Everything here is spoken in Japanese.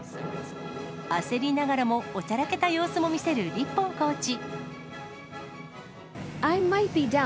焦りながらもおちゃらけた様子も見せるリッポンコーチ。